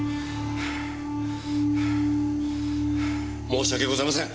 申し訳ございません。